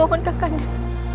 kau mohon kak kandai